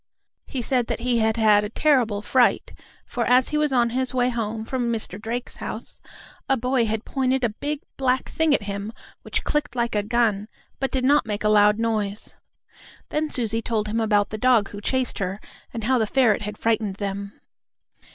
He said that he had had a terrible fright, for, as he was on his way home from Mr. Drake's house, a boy had pointed a big, black thing at him, which clicked like a gun, but did not make a loud noise. Then Susie told him about the dog who chased her, and how the ferret had frightened them.